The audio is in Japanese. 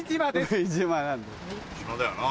初島だよな？